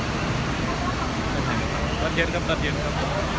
ตอนเย็นครับตอนเย็นครับ